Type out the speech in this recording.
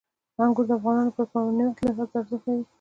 انګور د افغانانو لپاره په معنوي لحاظ ارزښت لري.